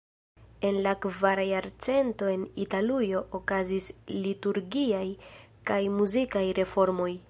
En la kvara jarcento en Italujo okazis liturgiaj kaj muzikaj reformoj.